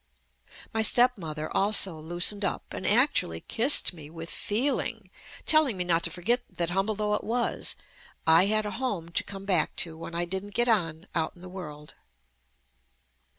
My step mother also loosened up and actually JUST ME kissed me with feeling, telling me not to forget that, humble though it was, I had a home to come back to when I didn't get on out in the world.